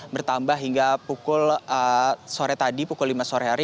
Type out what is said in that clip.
bertambah hingga pukul sore tadi pukul lima sore hari